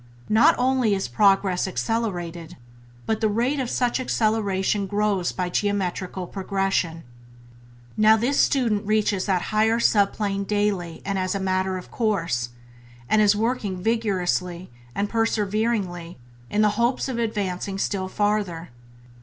Not only is progress accelerated, but the rate of such acceleration grows by geometrical progression. Now this student reaches that higher subplane daily and as a matter of course, and is working vigorously and perseveringly in the hopes of advancing still farther.